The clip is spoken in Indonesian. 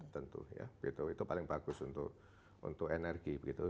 tentu ya gitu itu paling bagus untuk untuk energi gitu